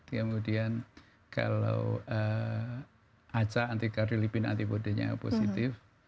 kemudian kalau aca anti cardiolipin antibody yang positif